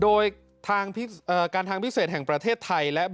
โทษภาพชาวนี้ก็จะได้ราคาใหม่